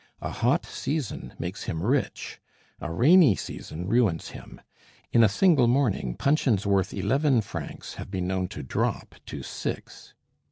A hot season makes him rich, a rainy season ruins him; in a single morning puncheons worth eleven francs have been known to drop to six.